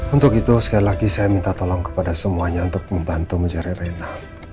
untuk itu sekali lagi saya minta tolong kepada semuanya untuk membantu mencari rena